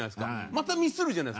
またミスるじゃないですか。